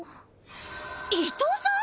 伊藤さん！？